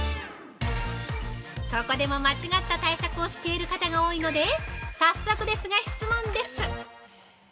ここでも間違った対策をしている方が多いのでさっそくですが、質問です。